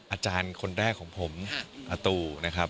อาจารย์คนแรกของผมอาตูนะครับ